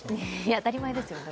当たり前ですよ。